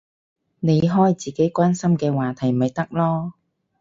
你開自己關心嘅話題咪得囉